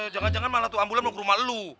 jangan jangan malah tuh ambulan mau ke rumah lu